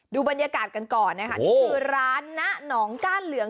ดูบรรยากาศกันก่อนนะคะนี่คือร้านนะหนองก้านเหลือง